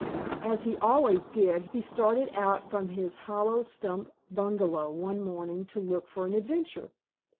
As he always did, he started out from his hollow stump bungalow one morning to look for an adventure.